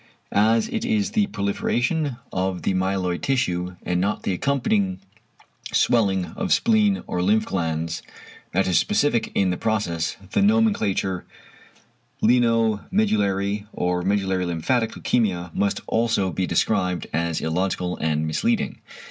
As it is the proliferation of the myeloid tissue and not the accompanying swelling of spleen or lymph glands that is specific in the process, the nomenclature "lienomedullary or medullary lymphatic" leukæmia must also be described as illogical and misleading.